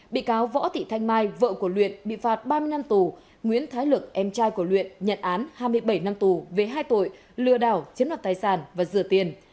bị cáo võ thị thanh mai vợ của luyện bị phạt ba mươi năm tù nguyễn thái lực em trai của luyện nhận án hai mươi bảy năm tù về hai tội lừa đảo chiếm đoạt tài sản và rửa tiền